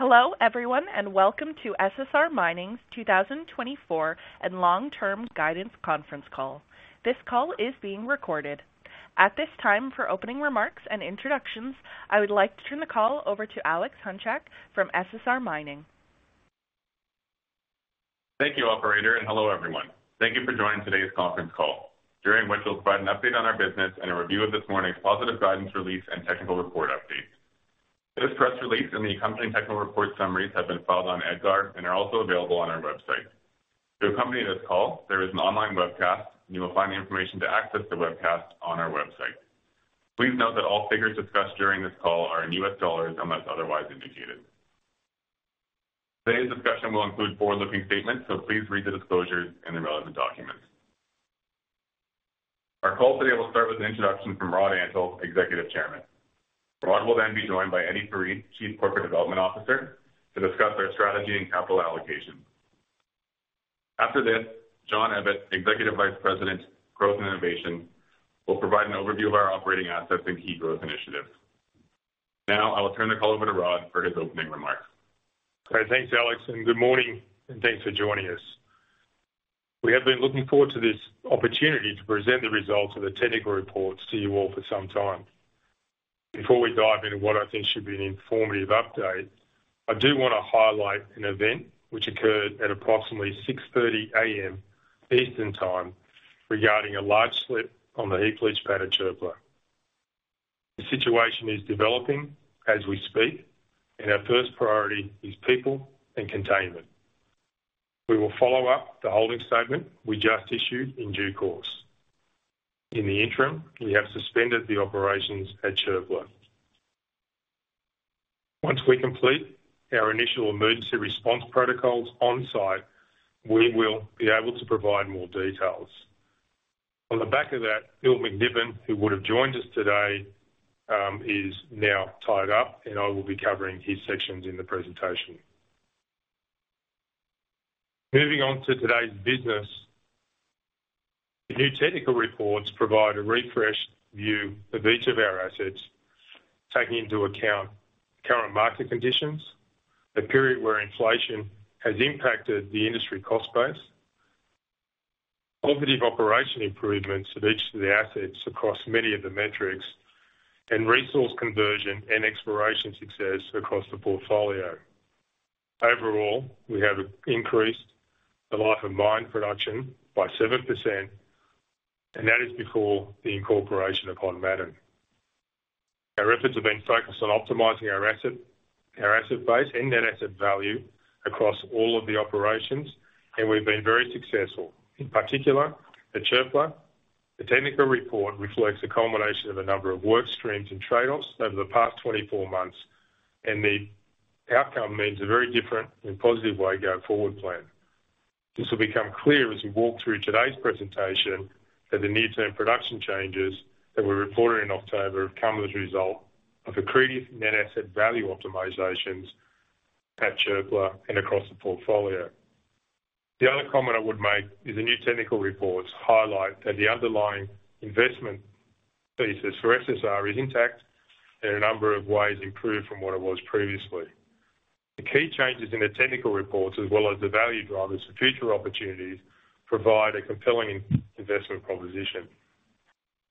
Hello everyone and welcome to SSR Mining's 2024 and long-term guidance conference call. This call is being recorded. At this time, for opening remarks and introductions, I would like to turn the call over to Alex Hunchak from SSR Mining. Thank you, operator, and hello everyone. Thank you for joining today's conference call. During which we'll provide an update on our business and a review of this morning's positive guidance release and technical report update. This press release and the accompanying technical report summaries have been filed on EDGAR and are also available on our website. To accompany this call, there is an online webcast, and you will find the information to access the webcast on our website. Please note that all figures discussed during this call are in U.S. dollars unless otherwise indicated. Today's discussion will include forward-looking statements, so please read the disclosures and the relevant documents. Our call today will start with an introduction from Rod Antal, Executive Chairman. Rod will then be joined by Edward Farid, Chief Corporate Development Officer, to discuss our strategy and capital allocation. After this, John Ebbett, Executive Vice President, Growth and Innovation, will provide an overview of our operating assets and key growth initiatives. Now I will turn the call over to Rod for his opening remarks. All right. Thanks, Alex, and good morning, and thanks for joining us. We have been looking forward to this opportunity to present the results of the technical reports to you all for some time. Before we dive into what I think should be an informative update, I do want to highlight an event which occurred at approximately 6:30 A.M. Eastern Time regarding a large slip on the heap leach pad at Çöpler. The situation is developing as we speak, and our first priority is people and containment. We will follow up the holding statement we just issued in due course. In the interim, we have suspended the operations at Çöpler. Once we complete our initial emergency response protocols on-site, we will be able to provide more details. On the back of that, Bill MacNevin, who would have joined us today, is now tied up, and I will be covering his sections in the presentation. Moving on to today's business, the new technical reports provide a refreshed view of each of our assets, taking into account current market conditions, the period where inflation has impacted the industry cost base, positive operation improvements of each of the assets across many of the metrics, and resource conversion and exploration success across the portfolio. Overall, we have increased the life of mine production by 7%, and that is before the incorporation of Hod Maden. Our efforts have been focused on optimizing our asset base and net asset value across all of the operations, and we've been very successful. In particular, at Çöpler, the technical report reflects a culmination of a number of work streams and trade-offs over the past 24 months, and the outcome means a very different and positive way forward plan. This will become clear as we walk through today's presentation that the near-term production changes that we're reporting in October have come as a result of accretive net asset value optimizations at Çöpler and across the portfolio. The other comment I would make is the new technical reports highlight that the underlying investment thesis for SSR is intact and in a number of ways improved from what it was previously. The key changes in the technical reports, as well as the value drivers for future opportunities, provide a compelling investment proposition.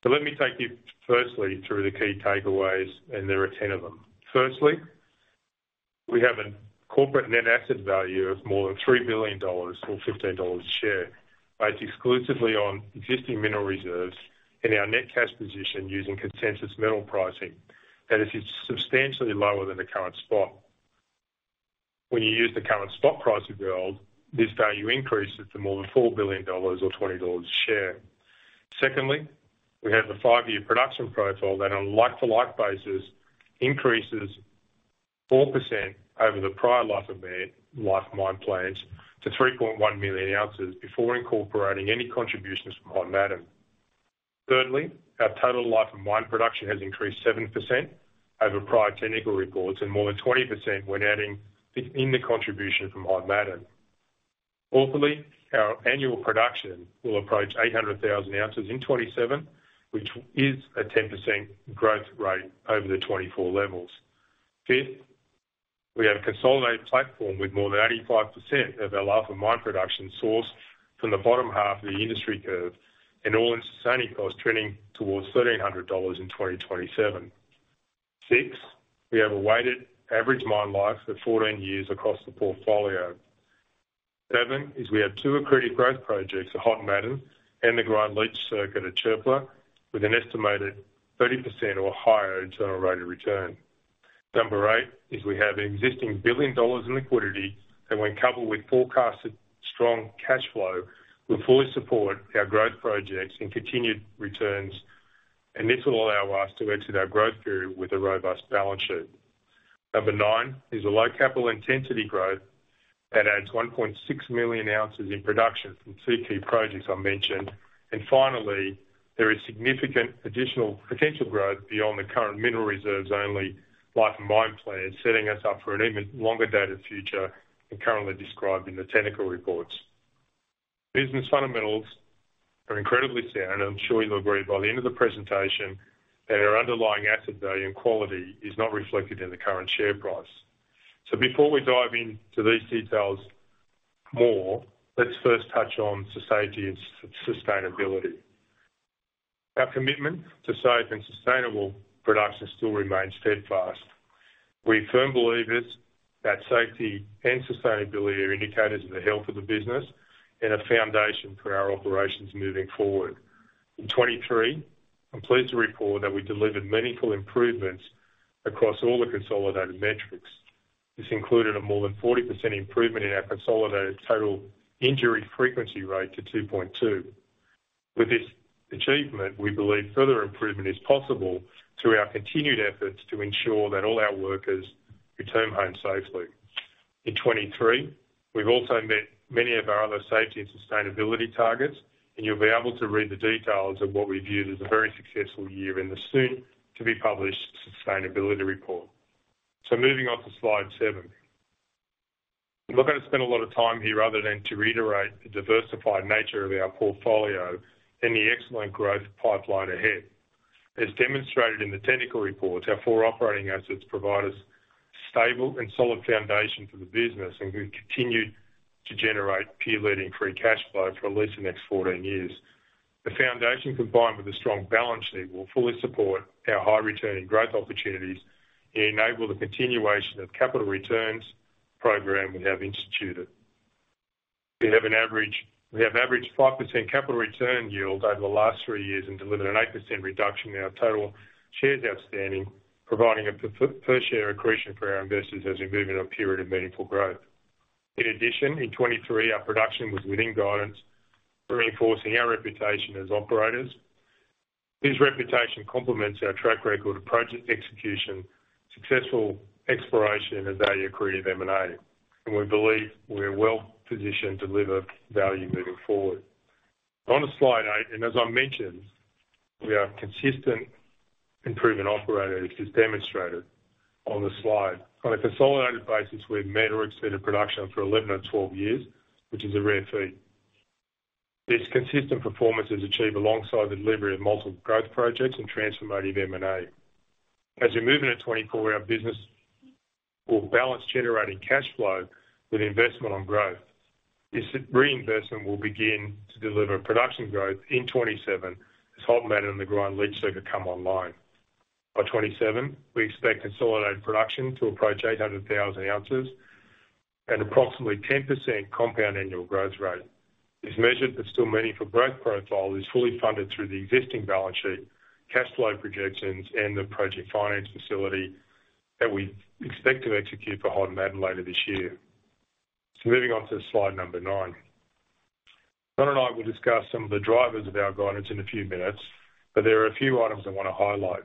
So let me take you firstly through the key takeaways, and there are 10 of them. Firstly, we have a corporate net asset value of more than $3 billion or $15 a share, based exclusively on existing mineral reserves and our net cash position using consensus mineral pricing, and this is substantially lower than the current spot. When you use the current spot price of gold, this value increases to more than $4 billion or $20 a share. Secondly, we have a five-year production profile that, on like-for-like basis, increases 4% over the prior life of mine plan to 3.1 million oz before incorporating any contributions from Hod Maden. Thirdly, our total life of mine production has increased 7% over prior technical reports and more than 20% when adding in the contribution from Hod Maden. Fourthly, our annual production will approach 800,000 oz in 2027, which is a 10% growth rate over the 2024 levels. Fifth, we have a consolidated platform with more than 85% of our life of mine production sourced from the bottom half of the industry curve and all-in sustaining cost trending towards $1,300 in 2027. Sixth, we have a weighted average mine life of 14 years across the portfolio. Seventh is we have two accretive growth projects at Hod Maden and the Grind-Leach Circuit at Çöpler with an estimated 30% or higher internal rate of return. Number eight is we have existing $1 billion in liquidity that, when coupled with forecasted strong cash flow, will fully support our growth projects and continued returns, and this will allow us to exit our growth period with a robust balance sheet. Number nine is a low capital intensity growth that adds 1.6 million oz in production from two key projects I mentioned. Finally, there is significant additional potential growth beyond the current mineral reserves-only life of mine plans, setting us up for an even longer-dated future than currently described in the technical reports. Business fundamentals are incredibly sound, and I'm sure you'll agree by the end of the presentation that our underlying asset value and quality is not reflected in the current share price. Before we dive into these details more, let's first touch on safety and sustainability. Our commitment to safe and sustainable production still remains steadfast. We're firm believers that safety and sustainability are indicators of the health of the business and a foundation for our operations moving forward. In 2023, I'm pleased to report that we delivered meaningful improvements across all the consolidated metrics. This included a more than 40% improvement in our consolidated total injury frequency rate to 2.2. With this achievement, we believe further improvement is possible through our continued efforts to ensure that all our workers return home safely. In 2023, we've also met many of our other safety and sustainability targets, and you'll be able to read the details of what we viewed as a very successful year in the soon-to-be-published sustainability report. So moving on to slide seven. I'm not going to spend a lot of time here other than to reiterate the diversified nature of our portfolio and the excellent growth pipeline ahead. As demonstrated in the technical reports, our four operating assets provide us a stable and solid foundation for the business, and we've continued to generate peer-leading free cash flow for at least the next 14 years. The foundation, combined with a strong balance sheet, will fully support our high-returning growth opportunities and enable the continuation of the capital returns program we have instituted. We have averaged 5% capital return yield over the last three years and delivered an 8% reduction in our total shares outstanding, providing a per-share accretion for our investors as we move into a period of meaningful growth. In addition, in 2023, our production was within guidance, reinforcing our reputation as operators. This reputation complements our track record of project execution, successful exploration, and value accretive M&A, and we believe we're well-positioned to deliver value moving forward. On to slide eight. And as I mentioned, we have consistent improvement operated, as is demonstrated on the slide. On a consolidated basis, we've met or exceeded production for 11 or 12 years, which is a rare feat. This consistent performance is achieved alongside the delivery of multiple growth projects and transformative M&A. As we move into 2024, our business will balance generating cash flow with investment on growth. This reinvestment will begin to deliver production growth in 2027 as Hod Maden and the Grind-Leach Circuit come online. By 2027, we expect consolidated production to approach 800,000 oz and approximately 10% compound annual growth rate. This measured but still meaningful growth profile is fully funded through the existing balance sheet, cash flow projections, and the project finance facility that we expect to execute for Hod Maden later this year. Moving on to slide number nine. John and I will discuss some of the drivers of our guidance in a few minutes, but there are a few items I want to highlight.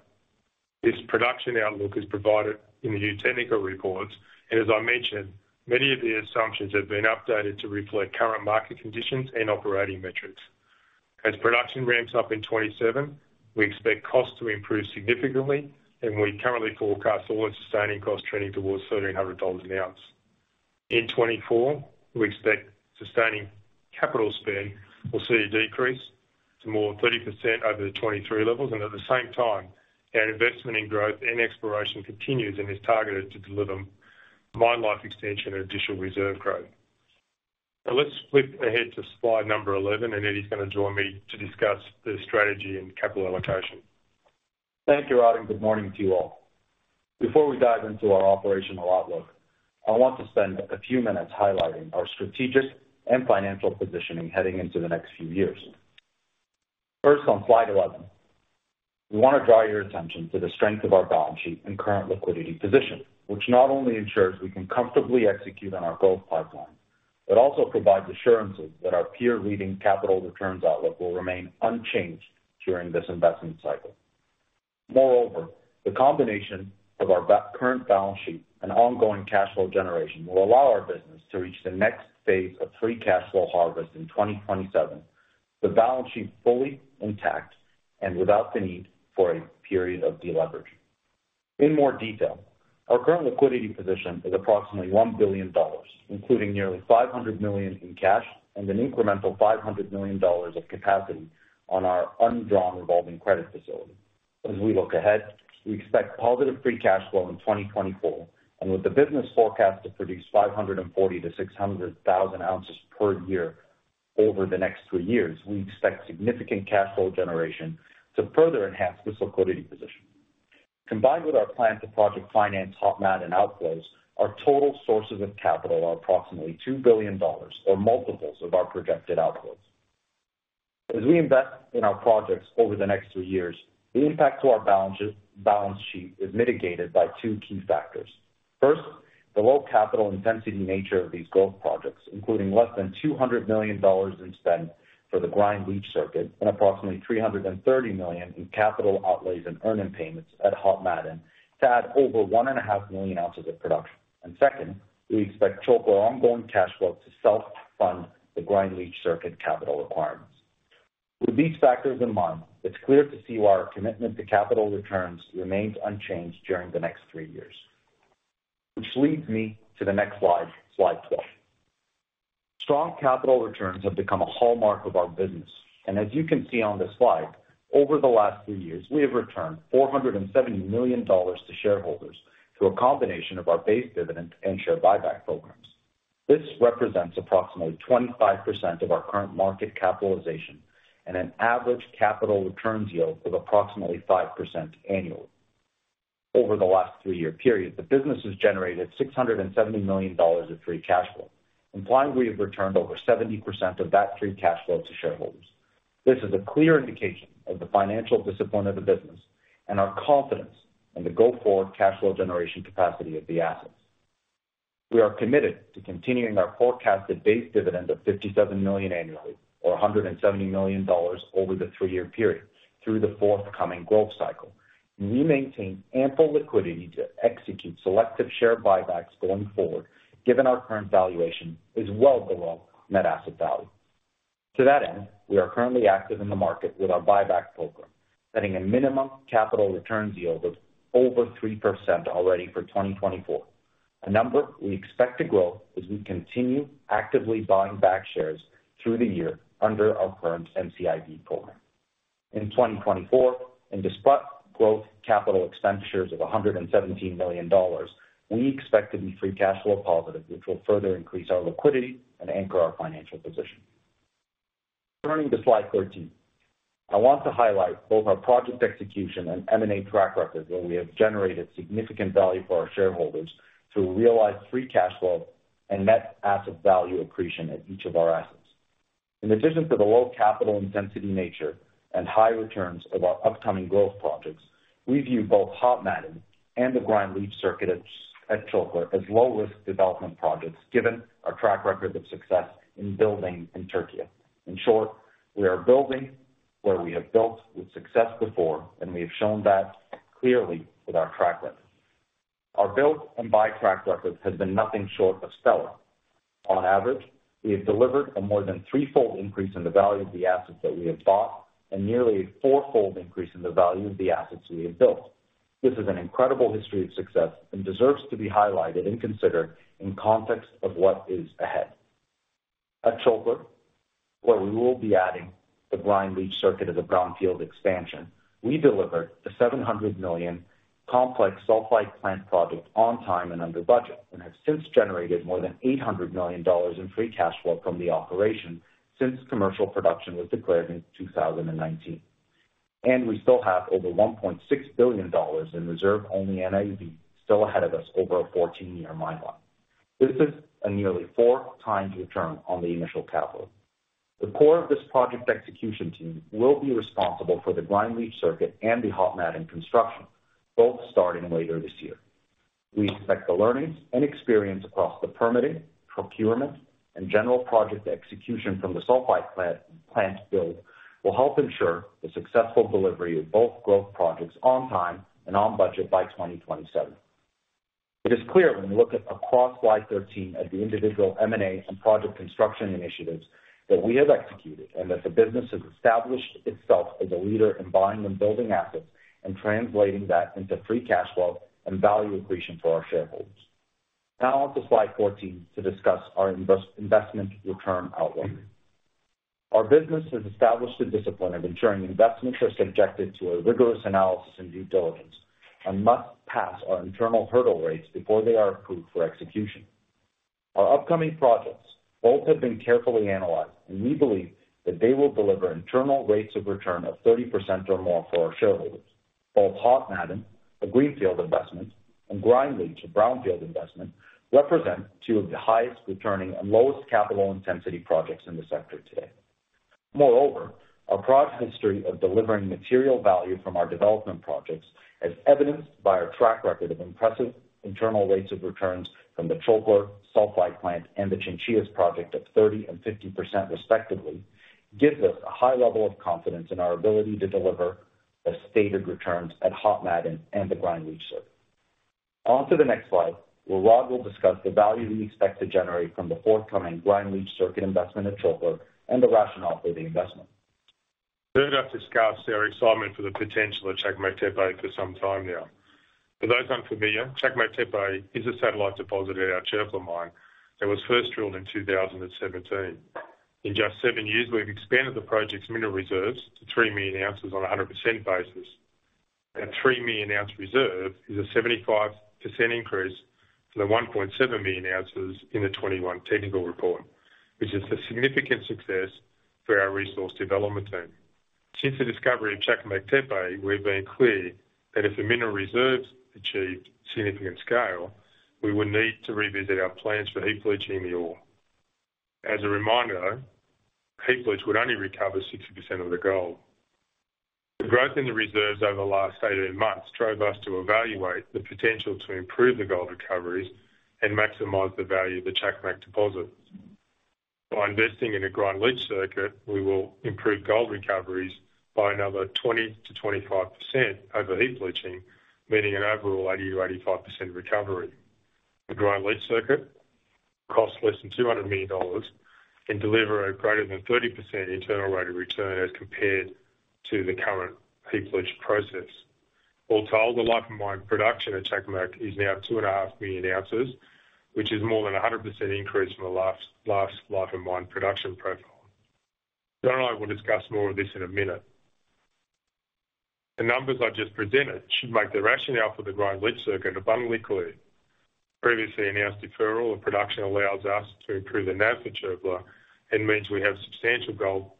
This production outlook is provided in the new technical reports, and as I mentioned, many of the assumptions have been updated to reflect current market conditions and operating metrics. As production ramps up in 2027, we expect costs to improve significantly, and we currently forecast All-in Sustaining Costs trending towards $1,300 an ounce. In 2024, we expect sustaining capital spend will see a decrease to more than 30% over the 2023 levels, and at the same time, our investment in growth and exploration continues and is targeted to deliver mine life extension and additional reserve growth. Now let's flip ahead to slide 11, and Eddie's going to join me to discuss the strategy and capital allocation. Thank you, Rod, and good morning to you all. Before we dive into our operational outlook, I want to spend a few minutes highlighting our strategic and financial positioning heading into the next few years. First, on slide 11, we want to draw your attention to the strength of our balance sheet and current liquidity position, which not only ensures we can comfortably execute on our growth pipeline but also provides assurances that our peer-leading capital returns outlook will remain unchanged during this investment cycle. Moreover, the combination of our current balance sheet and ongoing cash flow generation will allow our business to reach the next phase of free cash flow harvest in 2027 with the balance sheet fully intact and without the need for a period of deleverage. In more detail, our current liquidity position is approximately $1 billion, including nearly $500 million in cash and an incremental $500 million of capacity on our undrawn revolving credit facility. As we look ahead, we expect positive free cash flow in 2024, and with the business forecast to produce 540,000-600,000 oz per year over the next three years, we expect significant cash flow generation to further enhance this liquidity position. Combined with our plan to project finance Hod Maden outflows, our total sources of capital are approximately $2 billion or multiples of our projected outflows. As we invest in our projects over the next three years, the impact to our balance sheet is mitigated by two key factors. First, the low capital intensity nature of these growth projects, including less than $200 million in spend for the Grind-Leach Circuit and approximately $330 million in capital outlays and earnings payments at Hod Maden to add over 1.5 million oz of production. And second, we expect Çöpler ongoing cash flow to self-fund the Grind-Leach Circuit capital requirements. With these factors in mind, it's clear to see why our commitment to capital returns remains unchanged during the next three years, which leads me to the next slide, slide 12. Strong capital returns have become a hallmark of our business, and as you can see on this slide, over the last three years, we have returned $470 million to shareholders through a combination of our base dividend and share buyback programs. This represents approximately 25% of our current market capitalization and an average capital returns yield of approximately 5% annually. Over the last three-year period, the business has generated $670 million of free cash flow, implying we have returned over 70% of that free cash flow to shareholders. This is a clear indication of the financial discipline of the business and our confidence in the go-forward cash flow generation capacity of the assets. We are committed to continuing our forecasted base dividend of $57 million annually or $170 million over the three-year period through the forthcoming growth cycle, and we maintain ample liquidity to execute selective share buybacks going forward, given our current valuation is well below net asset value. To that end, we are currently active in the market with our buyback program, setting a minimum capital returns yield of over 3% already for 2024, a number we expect to grow as we continue actively buying back shares through the year under our current NCIB program. In 2024, and despite growth capital expenditures of $117 million, we expect to be free cash flow positive, which will further increase our liquidity and anchor our financial position. Turning to slide 13, I want to highlight both our project execution and M&A track record, where we have generated significant value for our shareholders through realized free cash flow and net asset value accretion at each of our assets. In addition to the low capital intensity nature and high returns of our upcoming growth projects, we view both Hod Maden and the Grind-Leach Circuit at Çöpler as low-risk development projects, given our track record of success in building in Turkey. In short, we are building where we have built with success before, and we have shown that clearly with our track record. Our build and buy track record has been nothing short of stellar. On average, we have delivered a more than threefold increase in the value of the assets that we have bought and nearly a fourfold increase in the value of the assets we have built. This is an incredible history of success and deserves to be highlighted and considered in context of what is ahead. At Çöpler, where we will be adding the Grind-Leach Circuit as a brownfield expansion, we delivered a $700 million complex sulfide plant project on time and under budget and have since generated more than $800 million in free cash flow from the operation since commercial production was declared in 2019. And we still have over $1.6 billion in reserve-only NPV still ahead of us over a 14-year mine life. This is a nearly 4x return on the initial capital. The core of this project execution team will be responsible for the Grind-Leach Circuit and the Hod Maden construction, both starting later this year. We expect the learnings and experience across the permitting, procurement, and general project execution from the sulfide plant build will help ensure the successful delivery of both growth projects on time and on budget by 2027. It is clear when we look across slide 13 at the individual M&A and project construction initiatives that we have executed and that the business has established itself as a leader in buying and building assets and translating that into free cash flow and value accretion for our shareholders. Now on to slide 14 to discuss our investment return outlook. Our business has established a discipline of ensuring investments are subjected to a rigorous analysis and due diligence and must pass our internal hurdle rates before they are approved for execution. Our upcoming projects, both have been carefully analyzed, and we believe that they will deliver internal rates of return of 30% or more for our shareholders. Both Hod Maden, a greenfield investment, and Grind-Leach, a brownfield investment, represent two of the highest-returning and lowest capital intensity projects in the sector today. Moreover, our prior history of delivering material value from our development projects, as evidenced by our track record of impressive internal rates of returns from the Çöpler sulfide plant and the Chinchillas project of 30% and 50% respectively, gives us a high level of confidence in our ability to deliver the stated returns at Hod Maden and the Grind-Leach Circuit. On to the next slide, where Rod will discuss the value we expect to generate from the forthcoming Grind-Leach Circuit investment at Çöpler and the rationale for the investment. Good afternoon, Scott. We've been assessing the potential at Çakmaktepe for some time now. For those unfamiliar, Çakmaktepe is a satellite deposit at our Çöpler mine that was first drilled in 2017. In just seven years, we've expanded the project's mineral reserves to 3 million oz on a 100% basis. A 3 million ounce reserve is a 75% increase from the 1.7 million oz in the 2021 technical report, which is a significant success for our resource development team. Since the discovery of Çakmaktepe, we've been clear that if the mineral reserves achieved significant scale, we would need to revisit our plans for heap leaching the ore. As a reminder, though, heap leach would only recover 60% of the gold. The growth in the reserves over the last 18 months drove us to evaluate the potential to improve the gold recoveries and maximize the value of the Çakmaktepe deposit. By investing in a Grind-Leach Circuit, we will improve gold recoveries by another 20%-25% over heap leach, meaning an overall 80%-85% recovery. The Grind-Leach Circuit costs less than $200 million and delivers a greater than 30% internal rate of return as compared to the current heap-leach process. All told, the lifetime mine production at Çakmaktepe is now 2.5 million oz, which is more than a 100% increase from the last lifetime mine production profile. John and I will discuss more of this in a minute. The numbers I just presented should make the rationale for the Grind-Leach Circuit abundantly clear. Previously announced deferral of production allows us to improve the NAV for Çöpler and means we have substantial gold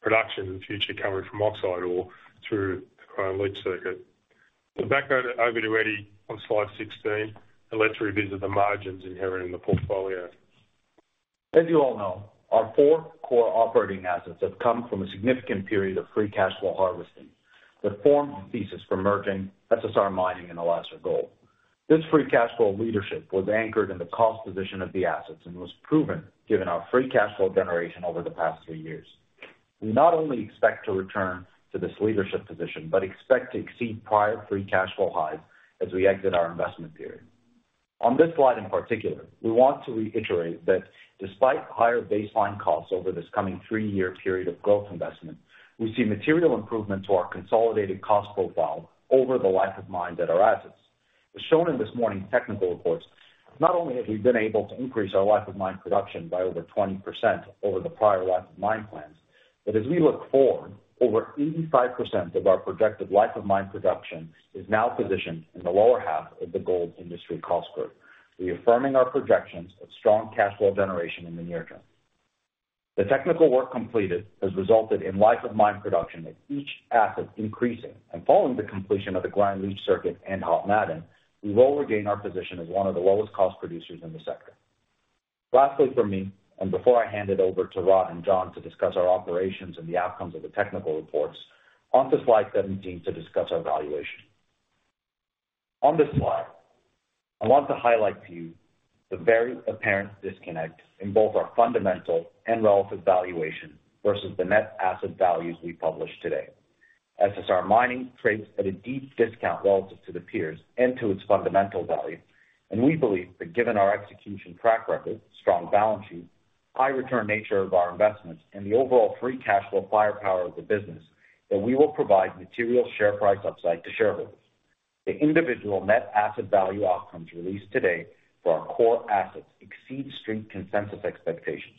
production in the future coming from oxide ore through the Grind-Leach Circuit. Back over to Eddie on slide 16, and let's revisit the margins inherent in the portfolio. As you all know, our four core operating assets have come from a significant period of free cash flow harvesting that formed the thesis for merging SSR Mining and Alacer Gold. This free cash flow leadership was anchored in the cost position of the assets and was proven given our free cash flow generation over the past three years. We not only expect to return to this leadership position but expect to exceed prior free cash flow highs as we exit our investment period. On this slide in particular, we want to reiterate that despite higher baseline costs over this coming three-year period of growth investment, we see material improvement to our consolidated cost profile over the lifetime mine at our assets. As shown in this morning's technical reports, not only have we been able to increase our lifetime mine production by over 20% over the prior lifetime mine plans, but as we look forward, over 85% of our projected lifetime mine production is now positioned in the lower half of the gold industry cost group, reaffirming our projections of strong cash flow generation in the near term. The technical work completed has resulted in lifetime mine production at each asset increasing, and following the completion of the Grind-Leach Circuit and Hod Maden, we will regain our position as one of the lowest cost producers in the sector. Lastly for me, and before I hand it over to Rod and John to discuss our operations and the outcomes of the technical reports, on to slide 17 to discuss our valuation. On this slide, I want to highlight to you the very apparent disconnect in both our fundamental and relative valuation versus the net asset values we published today. SSR Mining trades at a deep discount relative to the peers and to its fundamental value, and we believe that given our execution track record, strong balance sheet, high return nature of our investments, and the overall free cash flow firepower of the business, that we will provide material share price upside to shareholders. The individual net asset value outcomes released today for our core assets exceed street consensus expectations,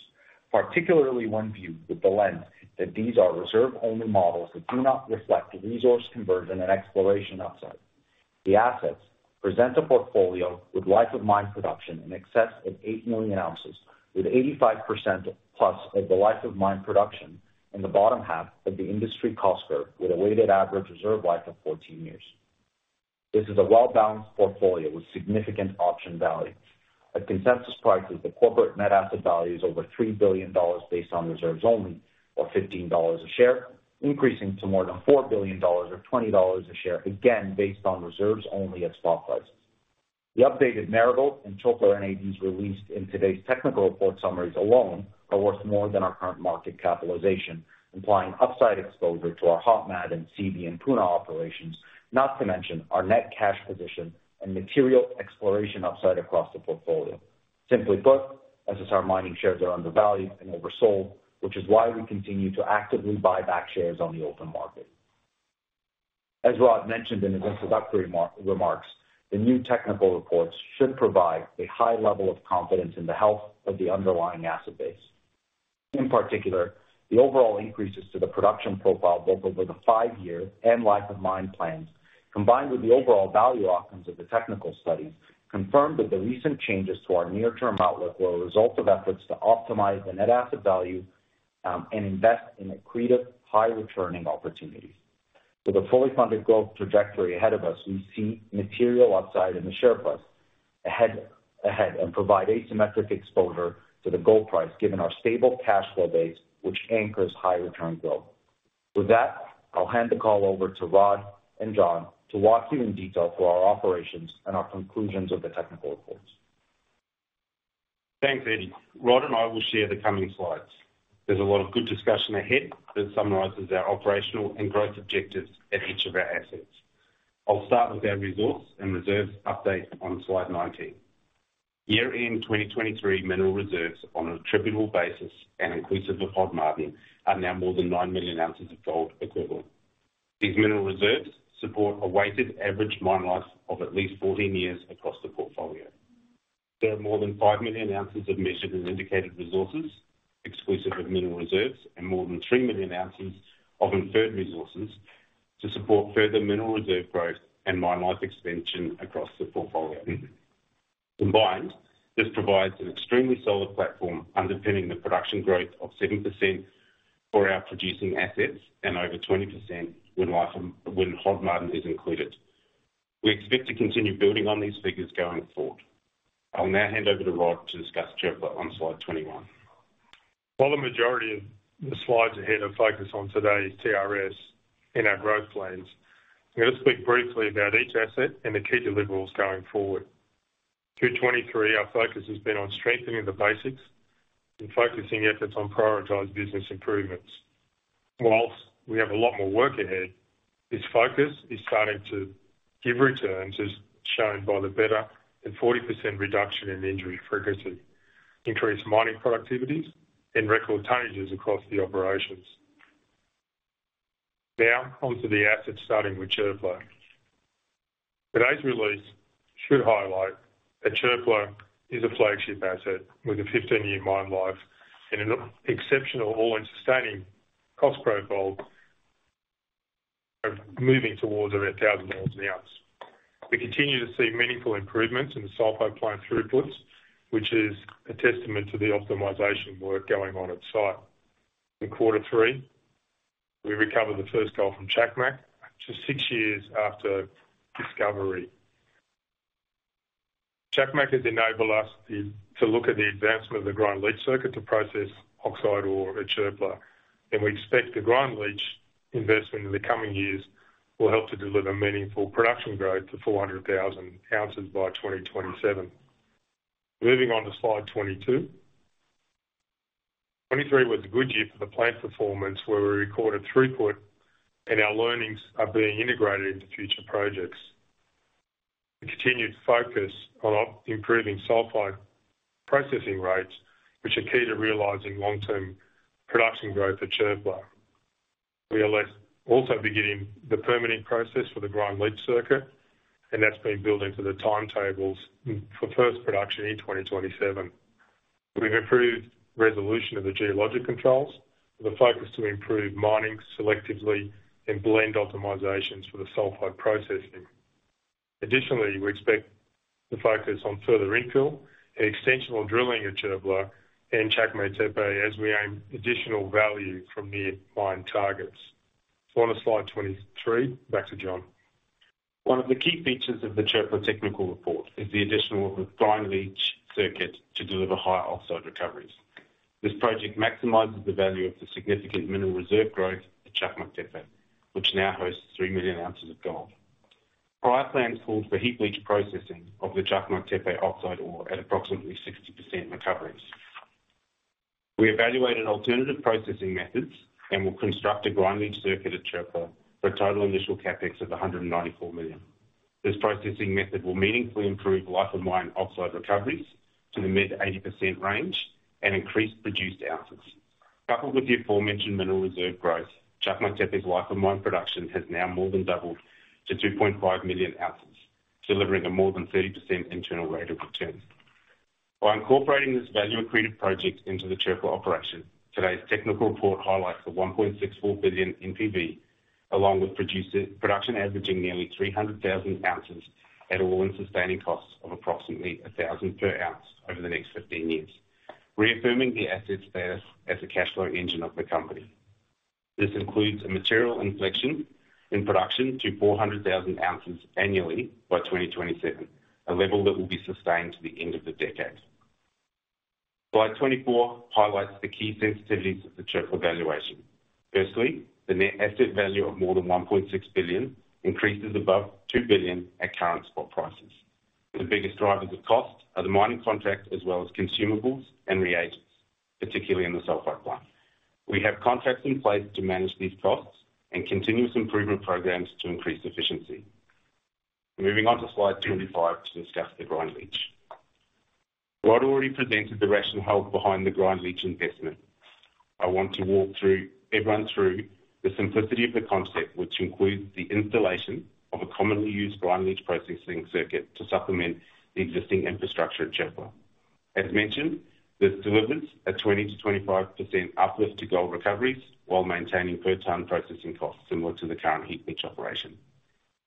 particularly when viewed with the lens that these are reserve-only models that do not reflect resource conversion and exploration upside. The assets present a portfolio with lifetime mine production in excess of 8 million oz with 85%+ of the lifetime mine production in the bottom half of the industry cost curve with a weighted average reserve life of 14 years. This is a well-balanced portfolio with significant option value. At consensus prices, the corporate net asset value is over $3 billion based on reserves only or $15 a share, increasing to more than $4 billion or $20 a share, again based on reserves only at spot prices. The updated Marigold and Çöpler NPVs released in today's technical report summaries alone are worth more than our current market capitalization, implying upside exposure to our Hod Maden, Seabee, and Puna operations, not to mention our net cash position and material exploration upside across the portfolio. Simply put, SSR Mining shares are undervalued and oversold, which is why we continue to actively buy back shares on the open market. As Rod mentioned in his introductory remarks, the new technical reports should provide a high level of confidence in the health of the underlying asset base. In particular, the overall increases to the production profile both over the five-year and lifetime mine plans, combined with the overall value outcomes of the technical studies, confirmed that the recent changes to our near-term outlook were a result of efforts to optimize the net asset value and invest in accretive, high-returning opportunities. With a fully funded growth trajectory ahead of us, we see material upside in the share price ahead and provide asymmetric exposure to the gold price given our stable cash flow base, which anchors high-return growth. With that, I'll hand the call over to Rod and John to walk you in detail through our operations and our conclusions of the technical reports. Thanks, Eddie. Rod and I will share the coming slides. There's a lot of good discussion ahead that summarizes our operational and growth objectives at each of our assets. I'll start with our resource and reserves update on slide 19. Year-end 2023 mineral reserves on an attributable basis and inclusive of Hod Maden are now more than 9 million oz of gold equivalent. These mineral reserves support a weighted average mine life of at least 14 years across the portfolio. There are more than 5 million oz of measured and indicated resources exclusive of mineral reserves and more than 3 million oz of inferred resources to support further mineral reserve growth and mine life expansion across the portfolio. Combined, this provides an extremely solid platform underpinning the production growth of 7% for our producing assets and over 20% when Hod Maden is included. We expect to continue building on these figures going forward. I'll now hand over to Rod to discuss Çöpler on slide 21. While the majority of the slides ahead are focused on today's TRS and our growth plans, I'm going to speak briefly about each asset and the key deliverables going forward. Through 2023, our focus has been on strengthening the basics and focusing efforts on prioritized business improvements. While we have a lot more work ahead, this focus is starting to give returns, as shown by the better than 40% reduction in injury frequency, increased mining productivities, and record tonnages across the operations. Now onto the assets starting with Çöpler. Today's release should highlight that Çöpler is a flagship asset with a 15-year mine life and an exceptional all-in-sustaining cost profile moving towards about $1,000 an ounce. We continue to see meaningful improvements in the sulfide plant throughputs, which is a testament to the optimization work going on at site. In quarter three, we recovered the first gold from Çakmaktepe just six years after discovery. Çakmaktepe has enabled us to look at the advancement of the Grind-Leach Circuit to process oxide ore at Çöpler, and we expect the Grind-Leach investment in the coming years will help to deliver meaningful production growth to 400,000 oz by 2027. Moving on to slide 22. 2023 was a good year for the plant performance, where we recorded throughput, and our learnings are being integrated into future projects. We continue to focus on improving sulfide processing rates, which are key to realizing long-term production growth at Çöpler. We are also beginning the permitting process for the Grind-Leach Circuit, and that's been built into the timetables for first production in 2027. We've improved resolution of the geologic controls with a focus to improve mining selectively and blend optimizations for the sulfide processing. Additionally, we expect to focus on further infill and extensional drilling at Çöpler and Çakmaktepe as we aim additional value from near-mine targets. So on to slide 23. Back to John. One of the key features of the Çöpler technical report is the addition of the Grind-Leach Circuit to deliver higher oxide recoveries. This project maximizes the value of the significant mineral reserve growth at Çakmaktepe, which now hosts 3 million oz of gold. Prior plans called for heap leach processing of the Çakmaktepe oxide ore at approximately 60% recoveries. We evaluated alternative processing methods and will construct a Grind-Leach Circuit at Çöpler for a total initial CapEx of $194 million. This processing method will meaningfully improve lifetime mine oxide recoveries to the mid-80% range and increase produced oz. Coupled with the aforementioned mineral reserve growth, Çakmaktepe's lifetime mine production has now more than doubled to 2.5 million oz, delivering a more than 30% internal rate of return. By incorporating this value-accretive project into the Çöpler operation, today's technical report highlights the $1.64 billion NPV along with production averaging nearly 300,000 oz at all-in-sustaining costs of approximately $1,000 per ounce over the next 15 years, reaffirming the asset status as a cash flow engine of the company. This includes a material inflection in production to 400,000 oz annually by 2027, a level that will be sustained to the end of the decade. Slide 24 highlights the key sensitivities of the Çöpler valuation. Firstly, the net asset value of more than $1.6 billion increases above $2 billion at current spot prices. The biggest drivers of cost are the mining contract as well as consumables and reagents, particularly in the sulfide plant. We have contracts in place to manage these costs and continuous improvement programs to increase efficiency. Moving on to slide 25 to discuss the Grind-Leach. Rod already presented the rationale behind the Grind-Leach investment. I want to walk everyone through the simplicity of the concept, which includes the installation of a commonly used Grind-Leach processing circuit to supplement the existing infrastructure at Çöpler. As mentioned, this delivers a 20%-25% uplift to gold recoveries while maintaining per-ton processing costs similar to the current heap leach operation.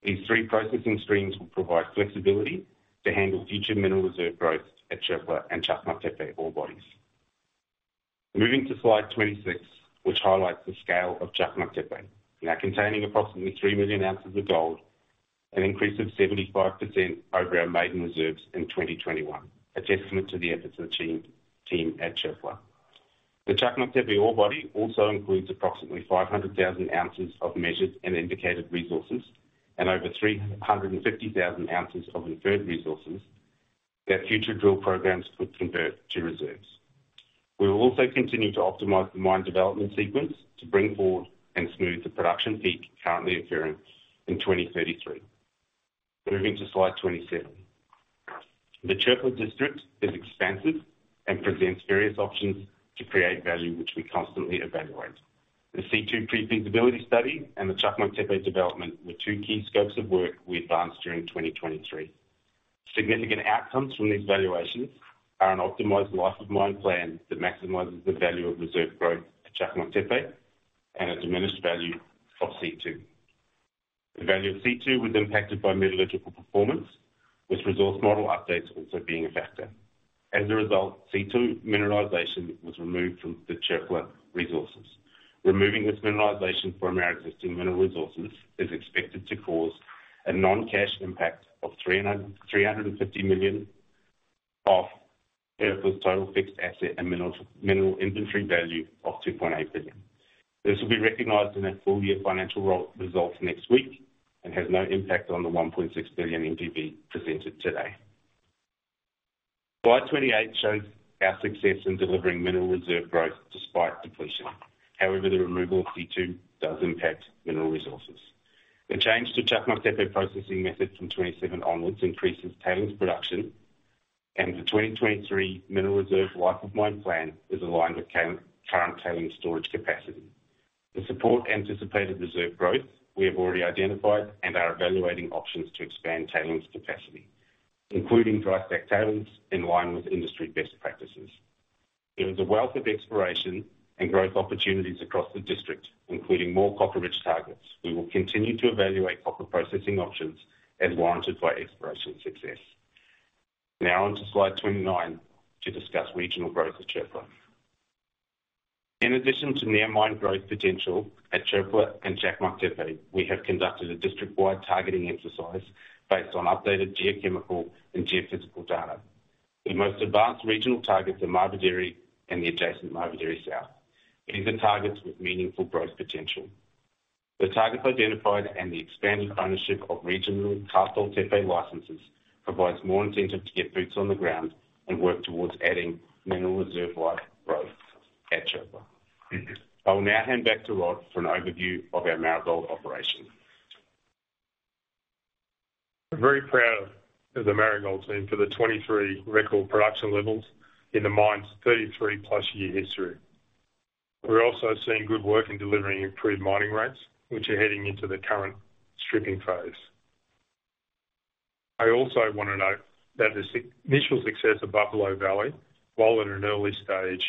These three processing streams will provide flexibility to handle future mineral reserve growth at Çöpler and Çakmaktepe ore bodies. Moving to slide 26, which highlights the scale of Çakmaktepe, now containing approximately 3 million oz of gold, an increase of 75% over our maiden reserves in 2021, a testament to the efforts of the team at Çöpler. The Çakmaktepe ore body also includes approximately 500,000 oz of measured and indicated resources and over 350,000 oz of inferred resources that future drill programs could convert to reserves. We will also continue to optimize the mine development sequence to bring forward and smooth the production peak currently occurring in 2033. Moving to slide 27. The Çöpler district is expansive and presents various options to create value, which we constantly evaluate. The C2 pre-feasibility study and the Çakmaktepe development were two key scopes of work we advanced during 2023. Significant outcomes from these valuations are an optimized lifetime mine plan that maximizes the value of reserve growth at Çakmaktepe and a diminished value of C2. The value of C2 was impacted by metallurgical performance, with resource model updates also being a factor. As a result, C2 mineralization was removed from the Çöpler resources. Removing this mineralization from our existing mineral resources is expected to cause a non-cash impact of $350 million off Çöpler's total fixed asset and mineral inventory value of $2.8 billion. This will be recognized in our full-year financial results next week and has no impact on the $1.6 billion NPV presented today. Slide 28 shows our success in delivering mineral reserve growth despite depletion. However, the removal of C2 does impact mineral resources. The change to Çakmaktepe processing method from 2027 onwards increases tailings production, and the 2023 mineral reserve lifetime mine plan is aligned with current tailings storage capacity. To support anticipated reserve growth, we have already identified and are evaluating options to expand tailings capacity, including dry stacked tailings in line with industry best practices. There is a wealth of exploration and growth opportunities across the district, including more copper-rich targets. We will continue to evaluate copper processing options as warranted by exploration success. Now onto slide 29 to discuss regional growth at Çöpler. In addition to near-mine growth potential at Çöpler and Çakmaktepe, we have conducted a district-wide targeting exercise based on updated geochemical and geophysical data. The most advanced regional targets are Mavialtin and the adjacent Mavialtin South. These are targets with meaningful growth potential. The targets identified and the expanded ownership of regional Kartaltepe licenses provides more incentive to get boots on the ground and work towards adding mineral reserve-like growth at Çöpler. I will now hand back to Rod for an overview of our Marigold operation. We're very proud of the Marigold team for the 2023 record production levels in the mine's 33+-year history. We're also seeing good work in delivering improved mining rates, which are heading into the current stripping phase. I also want to note that the initial success of Buffalo Valley, while in an early stage,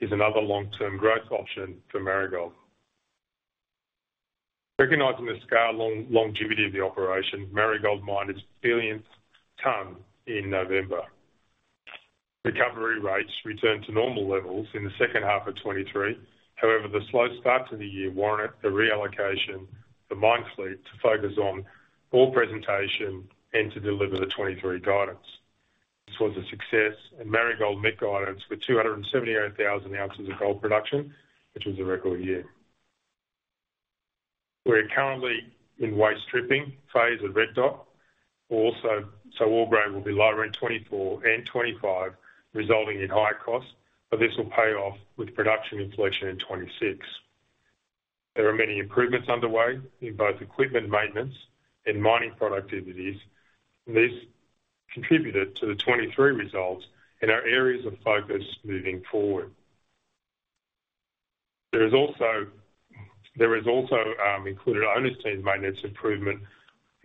is another long-term growth option for Marigold. Recognizing the scale and longevity of the operation, Marigold mine is billionth ton in November. Recovery rates returned to normal levels in the second half of 2023. However, the slow start to the year warranted a reallocation of the mine fleet to focus on ore presentation and to deliver the 2023 guidance. This was a success, and Marigold met guidance with 278,000 oz of gold production, which was a record year. We're currently in waste stripping phase at Red Dot, so ore gain will be lower in 2024 and 2025, resulting in higher costs, but this will pay off with production inflection in 2026. There are many improvements underway in both equipment maintenance and mining productivities, and these contributed to the 2023 results and our areas of focus moving forward. There is also included owners' team maintenance improvement,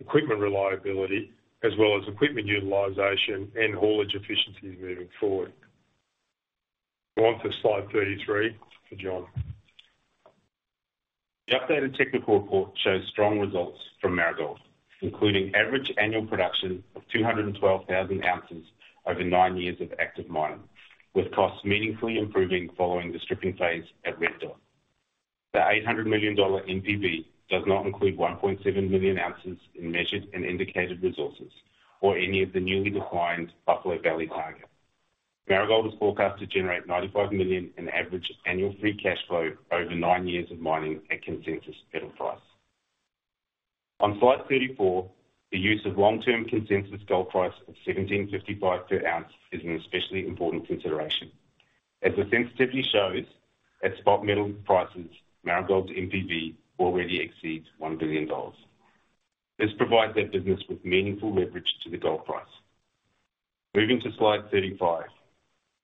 equipment reliability, as well as equipment utilization and haulage efficiencies moving forward. I want to slide 33 for John. The updated technical report shows strong results from Marigold, including average annual production of 212,000 oz over nine years of active mining, with costs meaningfully improving following the stripping phase at Red Dot. The $800 million NPV does not include 1.7 million oz in measured and indicated resources or any of the newly defined Buffalo Valley target. Marigold is forecast to generate $95 million in average annual free cash flow over nine years of mining at consensus metal price. On slide 34, the use of long-term consensus gold price of $1,755 per ounce is an especially important consideration. As the sensitivity shows, at spot metal prices, Marigold's NPV already exceeds $1 billion. This provides their business with meaningful leverage to the gold price. Moving to slide 35.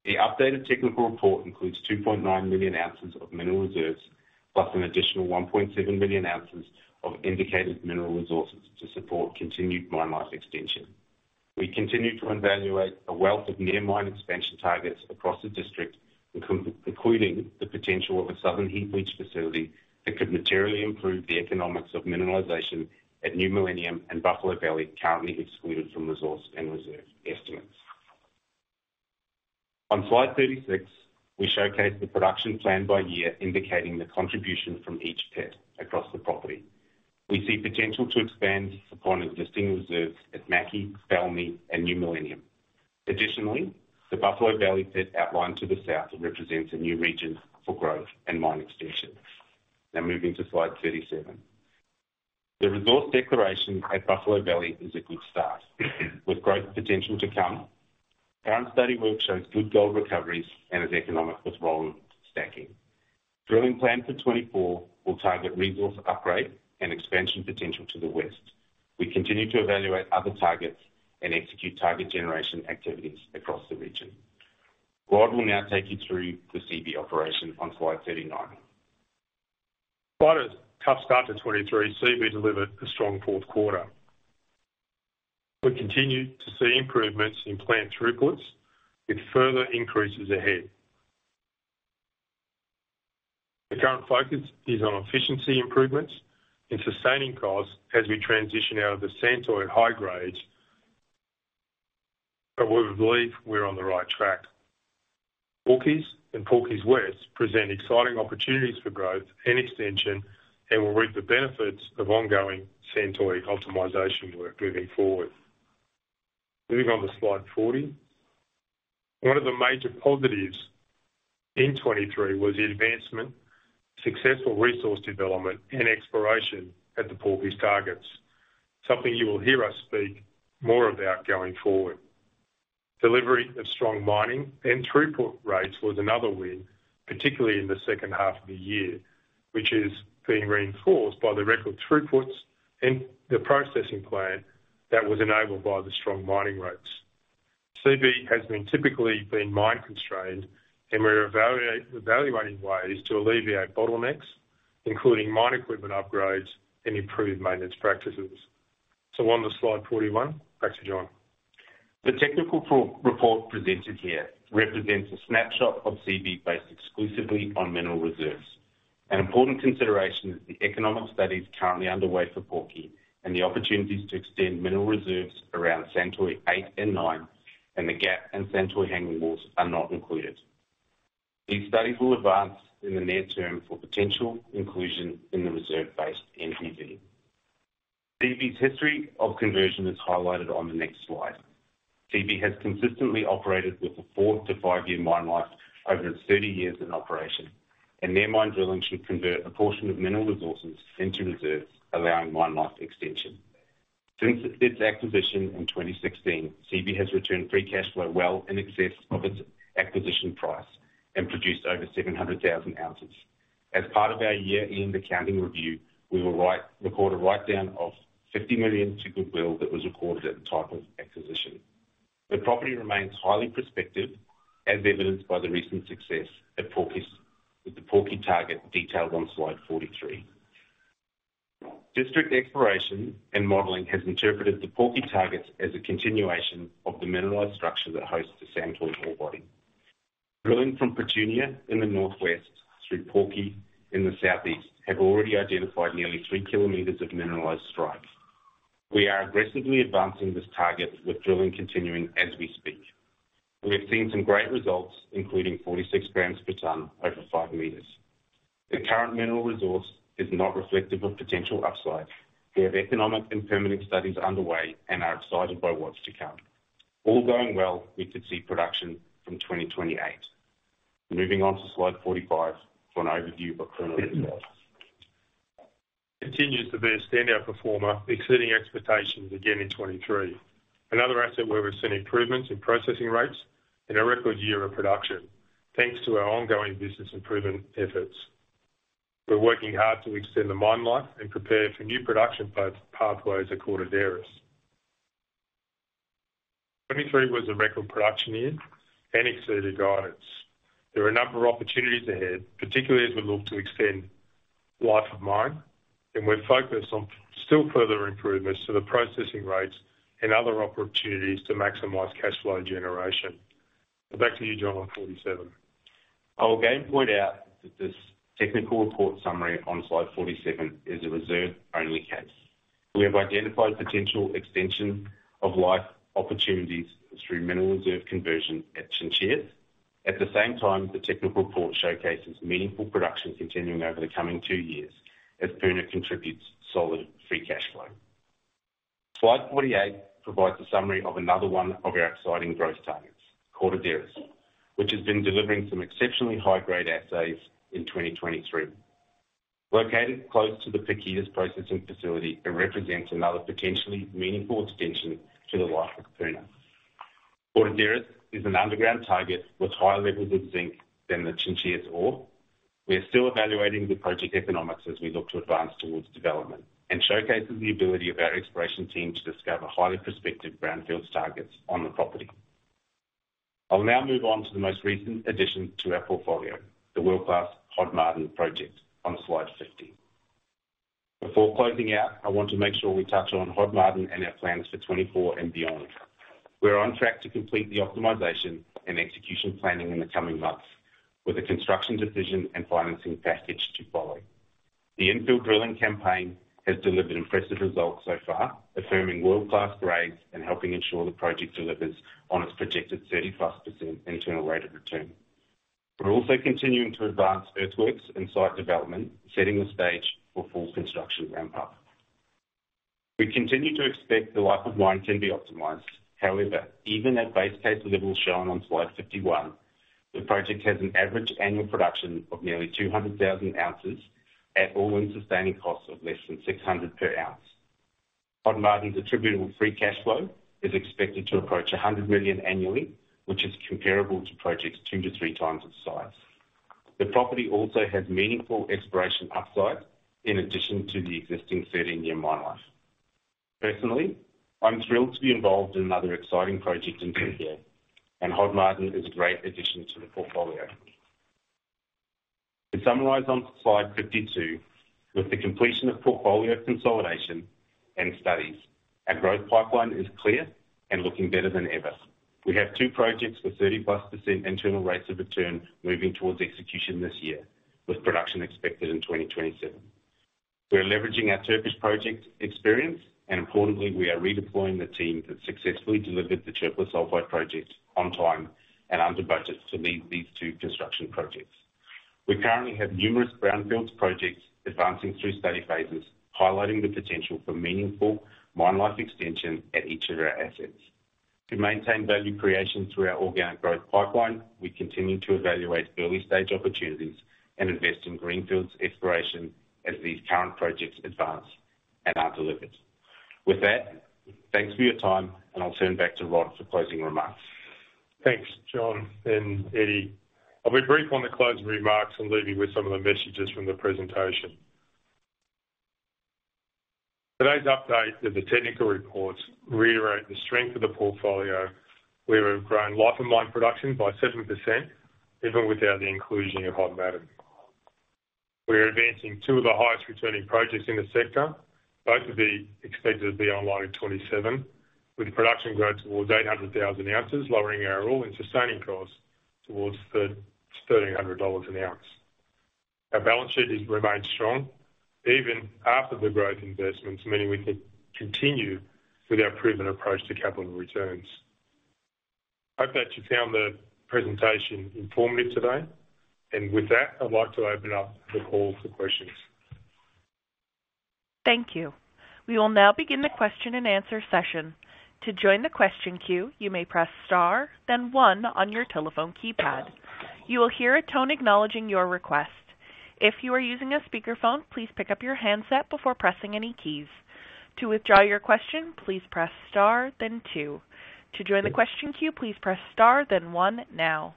The updated technical report includes 2.9 million oz of mineral reserves plus an additional 1.7 million oz of indicated mineral resources to support continued mine life extension. We continue to evaluate a wealth of near-mine expansion targets across the district, including the potential of a southern heap leach facility that could materially improve the economics of mineralization at New Millennium and Buffalo Valley, currently excluded from resource and reserve estimates. On slide 36, we showcase the production plan by year, indicating the contribution from each pit across the property. We see potential to expand upon existing reserves at Mackie, Valmy, and New Millennium. Additionally, the Buffalo Valley pit outlined to the south represents a new region for growth and mine extension. Now moving to slide 37. The resource declaration at Buffalo Valley is a good start. With growth potential to come, current study work shows good gold recoveries and is economic with rolling stacking. Drilling plan for 2024 will target resource upgrade and expansion potential to the west. We continue to evaluate other targets and execute target generation activities across the region. Rod will now take you through the CB operation on slide 39. Quite a tough start to 2023. Seabee delivered a strong fourth quarter. We continue to see improvements in plant throughputs with further increases ahead. The current focus is on efficiency improvements and sustaining costs as we transition out of the Santoy high grade, but we believe we're on the right track. Hawkeye and Hawkeye West present exciting opportunities for growth and extension and will reap the benefits of ongoing Santoy optimization work moving forward. Moving on to slide 40. One of the major positives in 2023 was the advancement, successful resource development, and exploration at the Hawkeye targets, something you will hear us speak more about going forward. Delivery of strong mining and throughput rates was another win, particularly in the second half of the year, which is being reinforced by the record throughputs and the processing plant that was enabled by the strong mining rates. CB has typically been mine-constrained, and we're evaluating ways to alleviate bottlenecks, including mine equipment upgrades and improved maintenance practices. On to slide 41. Back to John. The technical report presented here represents a snapshot of Seabee based exclusively on mineral reserves. An important consideration is the economic studies currently underway for Hawkeye and the opportunities to extend mineral reserves around Santoy eight and nine, and the Gap and Santoy hanging walls are not included. These studies will advance in the near term for potential inclusion in the reserve-based NPV. Seabee's history of conversion is highlighted on the next slide. Seabee has consistently operated with a four- to five-year mine life over its 30 years in operation, and near-mine drilling should convert a portion of mineral resources into reserves, allowing mine life extension. Since its acquisition in 2016, Seabee has returned free cash flow well in excess of its acquisition price and produced over 700,000 oz. As part of our year-end accounting review, we will record a write-down of $50 million to goodwill that was recorded at the time of acquisition. The property remains highly prospective, as evidenced by the recent success with the Hawkeye target detailed on Slide 43. District exploration and modelling has interpreted the Hawkeye targets as a continuation of the mineralized structure that hosts the Santoy ore body. Drilling from Petunia in the northwest through Hawkeye in the southeast have already identified nearly 3 km of mineralized strike. We are aggressively advancing this target, with drilling continuing as we speak. We have seen some great results, including 46 g per ton over 5 m. The current mineral resource is not reflective of potential upside. We have economic and permanent studies underway and are excited by what's to come. All going well, we could see production from 2028. Moving on to slide 45 for an overview of Mineral Reserves. It continues to be a standout performer, exceeding expectations again in 2023, another asset where we've seen improvements in processing rates in a record year of production, thanks to our ongoing business improvement efforts. We're working hard to extend the mine life and prepare for new production pathways across the areas. 2023 was a record production year and exceeded guidance. There are a number of opportunities ahead, particularly as we look to extend life of mine, and we're focused on still further improvements to the processing rates and other opportunities to maximize cash flow generation. So back to you, John, on 47. I will again point out that this technical report summary on slide 47 is a reserve-only case. We have identified potential extension of life opportunities through mineral reserve conversion at Chinchillas. At the same time, the technical report showcases meaningful production continuing over the coming two years as Puna contributes solid free cash flow. Slide 48 provides a summary of another one of our exciting growth targets, Cortaderas, which has been delivering some exceptionally high-grade assays in 2023. Located close to the Pirquitas processing facility, it represents another potentially meaningful extension to the life of Puna. Cortaderas is an underground target with higher levels of zinc than the Chinchillas' ore. We are still evaluating the project economics as we look to advance towards development and showcases the ability of our exploration team to discover highly prospective brownfields targets on the property. I'll now move on to the most recent addition to our portfolio, the world-class Hod Maden project on slide 50. Before closing out, I want to make sure we touch on Hod Maden and our plans for 2024 and beyond. We're on track to complete the optimization and execution planning in the coming months, with a construction decision and financing package to follow. The infield drilling campaign has delivered impressive results so far, affirming world-class grades and helping ensure the project delivers on its projected 31% internal rate of return. We're also continuing to advance earthworks and site development, setting the stage for full construction ramp-up. We continue to expect the life of mine can be optimized. However, even at base case levels shown on slide 51, the project has an average annual production of nearly 200,000 oz at all in sustaining costs of less than $600 per ounce. Maden's attributable free cash flow is expected to approach $100 million annually, which is comparable to projects two to three times its size. The property also has meaningful exploration upside in addition to the existing 13-year mine life. Personally, I'm thrilled to be involved in another exciting project in two years, and Hod Maden is a great addition to the portfolio. To summarize on slide 52, with the completion of portfolio consolidation and studies, our growth pipeline is clear and looking better than ever. We have two projects with 30%+ internal rates of return moving towards execution this year, with production expected in 2027. We're leveraging our Turkish project experience, and importantly, we are redeploying the team that successfully delivered the Çöpler sulfide project on time and under budget to lead these two construction projects. We currently have numerous brownfields projects advancing through study phases, highlighting the potential for meaningful mine life extension at each of our assets. To maintain value creation through our organic growth pipeline, we continue to evaluate early-stage opportunities and invest in greenfields exploration as these current projects advance and are delivered. With that, thanks for your time, and I'll turn back to Rod for closing remarks. Thanks, John and Eddie. I'll be brief on the closing remarks and leave you with some of the messages from the presentation. Today's update of the technical reports reiterates the strength of the portfolio. We have grown life of mine production by 7% even without the inclusion of Hod Maden. We are advancing two of the highest-returning projects in the sector, both of them expected to be online in 2027, with production growth towards 800,000 oz, lowering our all-in sustaining costs towards $1,300 an ounce. Our balance sheet remains strong even after the growth investments, meaning we can continue with our proven approach to capital returns. I hope that you found the presentation informative today. And with that, I'd like to open up the call for questions. Thank you. We will now begin the question-and-answer session. To join the question queue, you may press star, then one on your telephone keypad. You will hear a tone acknowledging your request. If you are using a speakerphone, please pick up your handset before pressing any keys. To withdraw your question, please press star, then two. To join the question queue, please press star, then one now.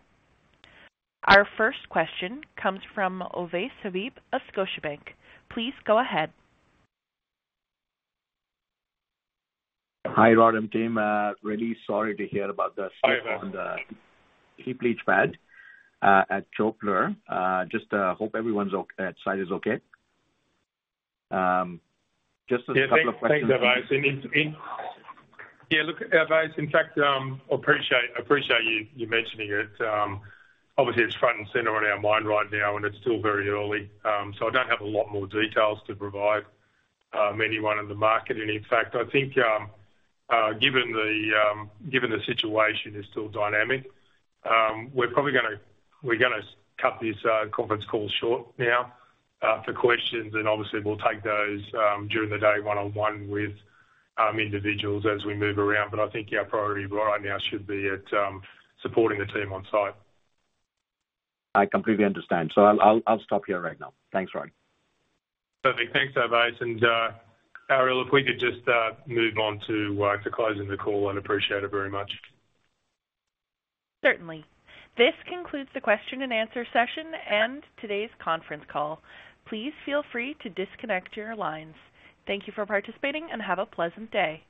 Our first question comes from Ovais Habib, Scotiabank. Please go ahead. Hi, Rod Antal team. Really sorry to hear about the. Hi, Rod. On the heap leach pad at Çöpler. Just hope everyone's okay at site is okay. Just a couple of questions. Yeah. Thanks, Ovais. And yeah, look, Ovais, in fact, I appreciate you mentioning it. Obviously, it's front and center on our mind right now, and it's still very early. So I don't have a lot more details to provide anyone in the market. And in fact, I think given the situation is still dynamic, we're probably going to we're going to cut this conference call short now for questions, and obviously, we'll take those during the day one-on-one with individuals as we move around. But I think our priority right now should be at supporting the team on site. I completely understand. So I'll stop here right now. Thanks, Rod. Perfect. Thanks, Ovais. John, if we could just move on to closing the call, I'd appreciate it very much. Certainly. This concludes the question-and-answer session and today's conference call. Please feel free to disconnect your lines. Thank you for participating, and have a pleasant day.